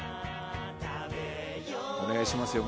お願いしますよ